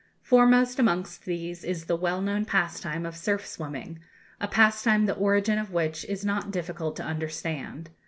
Foremost amongst these is the well known pastime of surf swimming a pastime the origin of which it is not difficult to understand.